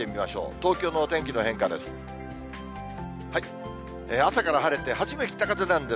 東京のお天気の変化です。